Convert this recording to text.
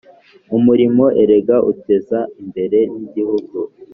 Umurimo erega uteza imbere n’igihugu